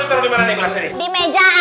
aku mau ditaruh dimana nih gue asli